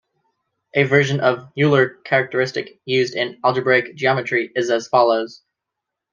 A version of Euler characteristic used in algebraic geometry is as follows.